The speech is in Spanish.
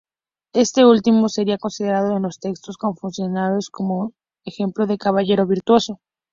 Este último sería considerado en los textos confucianos como ejemplo de caballero virtuoso.